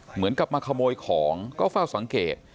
เหมือนกับมาขโมยของก็เฝ้าสังเกต